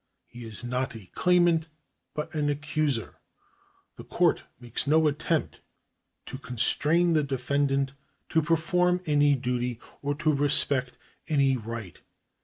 He is not a claimant, but an accuser. The court makes no attempt to constrain the defendant to perform any duty, or to respect any right.